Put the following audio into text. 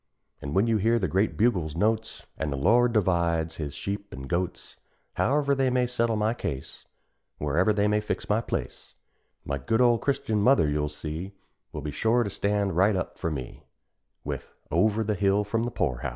An' when you hear the great bugle's notes, An' the Lord divides his sheep an' goats; However they may settle my case, Wherever they may fix my place, My good old Christian mother, you'll see, Will be sure to stand right up for me, With _over the hill from the poor house.